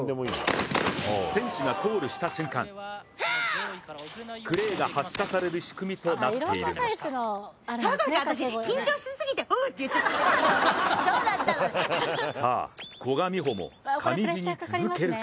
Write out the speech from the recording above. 選手がコールした瞬間、クレーが発射される仕組みとなっている。